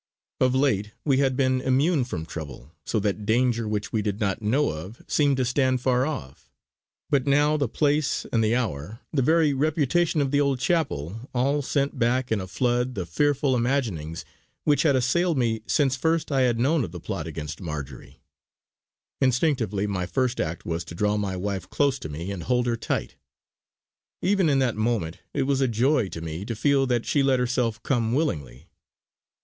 Of late we had been immune from trouble, so that danger which we did not know of seemed to stand far off; but now the place and the hour, the very reputation of the old chapel, all sent back in a flood the fearful imaginings which had assailed me since first I had known of the plot against Marjory. Instinctively my first act was to draw my wife close to me and hold her tight. Even in that moment it was a joy to me to feel that she let herself come willingly.